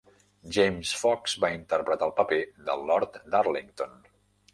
James Fox va interpretar el paper de Lord Darlington.